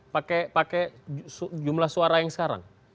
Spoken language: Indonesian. pakai jumlah suara yang sekarang